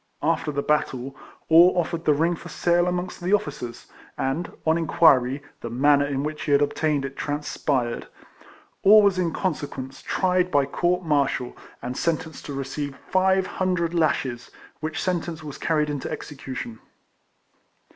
After the battle, Orr offered the ring for sale amongst the officers, and, on inquiry, the manner in which he had obtained it transpired. Orr was in consequence tried by court martial, and sentenced to receive five hundred lashes, which sentence was carried into execution.